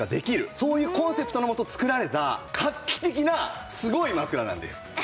そういうコンセプトのもと作られた画期的なすごい枕なんです。